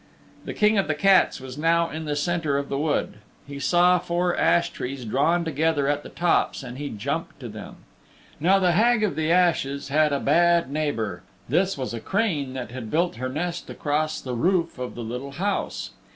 The King of the Cats was now in the centre of the wood. He saw four ash trees drawn together at the tops and he jumped to them. Now the Hag of the Ashes had a bad neighbor. This was a crane that had built her nest across the roof of the little house.